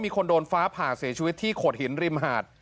มีคนโดนฟ้าผ่าเสียชีวิตที่โขดหินริมหาด